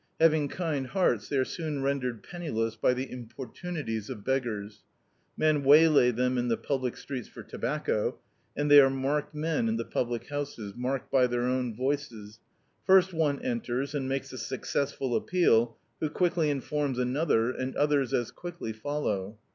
Having kind hearts, they are soon rendered penniless by the importuni ties of beggars. Men waylay them in the public streets for tobacco^ and they are marked men in the public houses — marked by their own voices. First one enters and makes a successful appeal, who quickly informs another, and others as quickly follow.